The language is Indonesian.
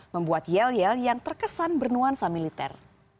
membuat yel yel yang terkesan bernuansa militer